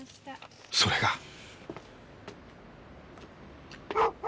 それが。